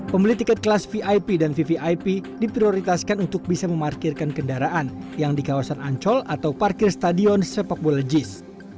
pembeli tiket kelas vip dan vvip diprioritaskan untuk bisa memarkirkan kendaraan yang di kawasan ancol atau parkir stadion sepak bola jis